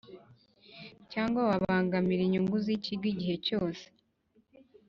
Cyangwa wabangamira inyungu z ikigo igihe cyose